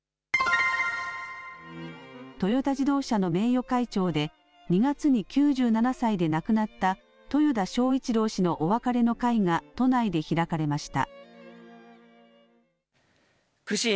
トヨタ自動車の名誉会長で、２月に９７歳で亡くなった豊田章一郎氏のお別れの会が都内で開かれました。